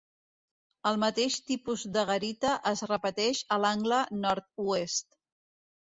El mateix tipus de garita es repeteix a l'angle nord-oest.